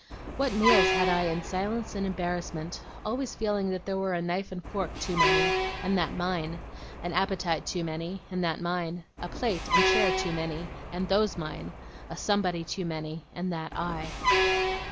What meals I had in silence and embarrassment, always feeling that there were a knife and fork too many, and that mine; an appetite too many, and that mine; a plate and chair too many, and those mine; a somebody too many, and that I!